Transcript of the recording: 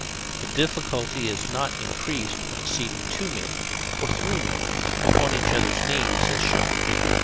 The difficulty is not increased on seating two men, or three men, upon each other's knees (as shown in Fig.